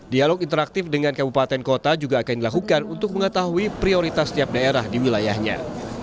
dialog interaktif dengan kabupaten kota juga akan dilakukan untuk mengetahui prioritas setiap daerah di wilayahnya